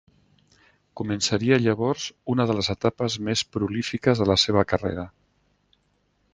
Començaria llavors una de les etapes més prolífiques de la seva carrera.